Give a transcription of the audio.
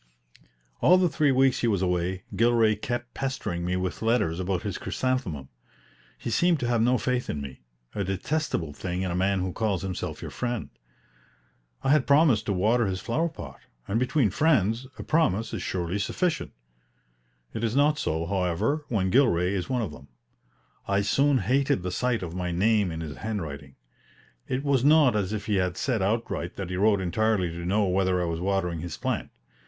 All the three weeks he was away, Gilray kept pestering me with letters about his chrysanthemum. He seemed to have no faith in me a detestable thing in a man who calls himself your friend. I had promised to water his flower pot; and between friends a promise is surely sufficient. It is not so, however, when Gilray is one of them. I soon hated the sight of my name in his handwriting. It was not as if he said outright that he wrote entirely to know whether I was watering his plant.